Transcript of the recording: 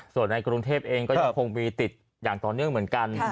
ส่วนในกรุงเทพเองก็ยังคงมีติดอย่างต่อเนื่องเหมือนกัน